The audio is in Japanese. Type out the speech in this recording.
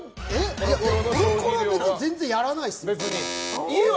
コロコロは別に全然やらないですよ。